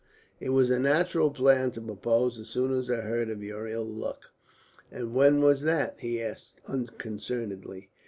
"It was a natural plan to propose as soon as I heard of your ill luck." "And when was that?" he asked unconcernedly.